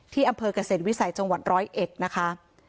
ที่อำเภอกเกษตรวิสัยจังหวัด๑๐๑นะคะ